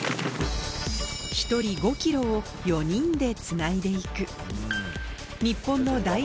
１人５キロを４人でつないでいく。